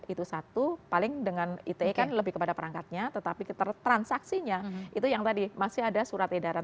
itu satu paling dengan ite kan lebih kepada perangkatnya tetapi transaksinya itu yang tadi masih ada surat edaran